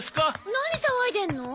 何騒いでるの？